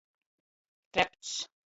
Trepcs.